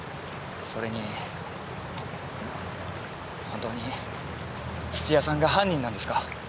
本当に土屋さんが犯人なんですか？